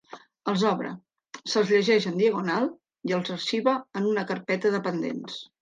Els obre, se'ls llegeix en diagonal i els arxiva en una carpeta de pendents.